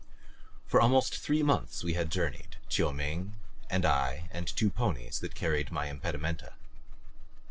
For almost three months we had journeyed; Chiu Ming and I and the two ponies that carried my impedimenta.